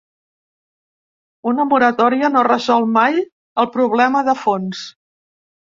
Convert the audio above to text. Una moratòria no resol mai el problema de fons.